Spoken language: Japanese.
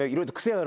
ある。